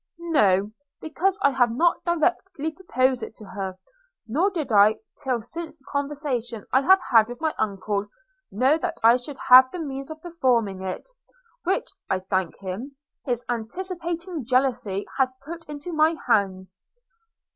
'No, because I have not directly proposed it to her; nor did I, till since the conversation I have had with my uncle, know that I should have the means of performing it, which (I thank him) his anticipating jealousy has put into my hands.'